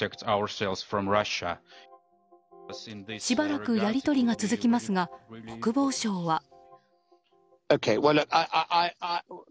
しばらくやり取りが続きますが国防相は。